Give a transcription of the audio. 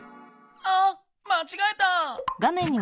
あっまちがえた！